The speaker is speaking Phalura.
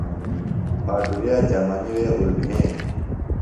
پھاٹُرِیا چمنی وے اُربھینِم۔